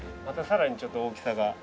またさらにちょっと大きさが。